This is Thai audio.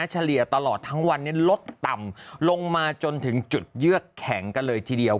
เฉลี่ยตลอดทั้งวันนี้ลดต่ำลงมาจนถึงจุดเยือกแข็งกันเลยทีเดียว